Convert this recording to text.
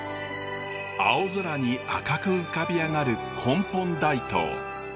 青空に赤く浮かび上がる根本大塔。